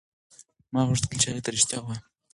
ما غوښتل چې هغې ته رښتیا ووایم.